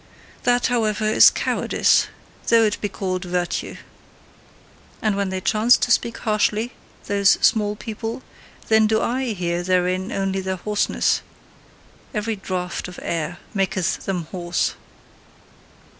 That, however, is COWARDICE, though it be called "virtue." And when they chance to speak harshly, those small people, then do I hear therein only their hoarseness every draught of air maketh them hoarse.